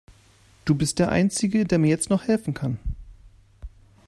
Du bist der einzige, der mir jetzt noch helfen kann.